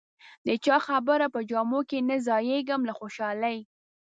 د چا خبره په جامو کې نه ځایېږم له خوشالۍ.